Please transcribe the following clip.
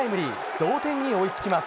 同点に追いつきます。